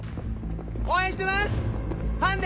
応援してます！